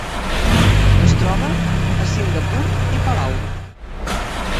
Es troba a Singapur i Palau.